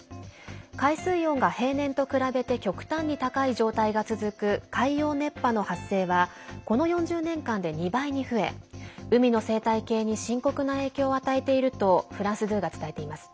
海水温が平年と比べて極端に高い状態が続く海洋熱波の発生はこの４０年間で２倍に増え海の生態系に深刻な影響を与えているとフランス２が伝えています。